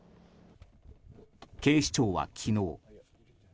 警視庁は、昨日。